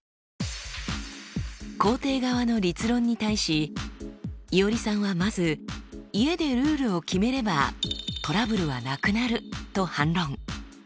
肯定側の立論に対しいおりさんはまず家でルールを決めればトラブルはなくなると反論。